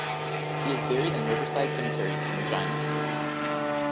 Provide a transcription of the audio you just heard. He is buried in Riverside Cemetery in Regina.